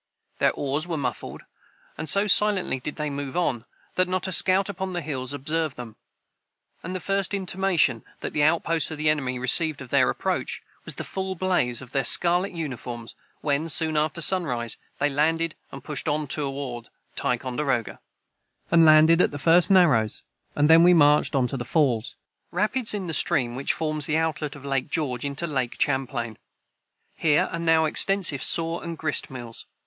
Their oars were muffled, and, so silently did they move on, that not a scout upon the hills observed them; and the first intimation that the outposts of the enemy received of their approach was the full blaze of their scarlet uniforms, when, soon after sunrise, they landed and pushed on toward Ticonderoga.] [Footnote 38: Rapids in the stream which forms the outlet of Lake George into Lake Champlain. Here are now extensive saw and grist mills.